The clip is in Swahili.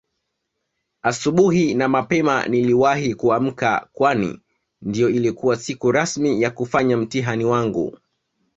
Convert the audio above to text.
Asubuhi na mapema niliwahi kuamka Kwani ndio ilikuwa siku rasmi ya kufanya mtihani wangu